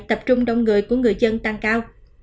tập trung đông người của người dân tăng cao